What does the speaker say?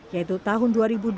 yaitu tahun dua ribu dua puluh